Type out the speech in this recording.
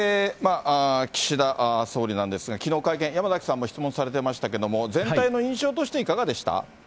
岸田総理なんですが、きのう、会見、山崎さんも質問されてましたけれども、全体の印象としていかがでした？